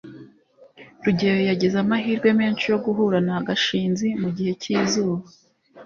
rugeyo yagize amahirwe menshi yo guhura na gashinzi mugihe cyizuba